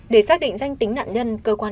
để xác định danh tính nạn nhân cơ quan